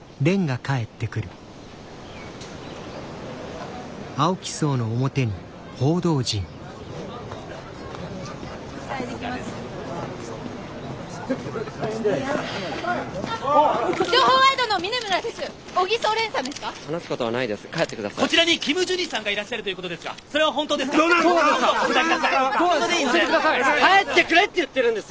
帰ってくれって言ってるんです！